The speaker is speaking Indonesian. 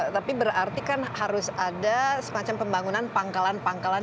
tapi berarti kan harus ada semacam pembangunan pangkalan pangkalan